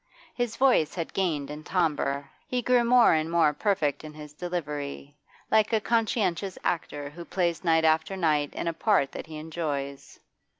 His voice had gained in timbre; he grew more and more perfect in his delivery, like a conscientious actor who plays night after night in a part that he enjoys.